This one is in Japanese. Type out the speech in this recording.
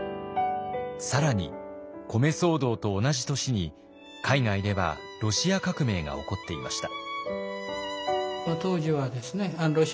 更に米騒動と同じ年に海外ではロシア革命が起こっていました。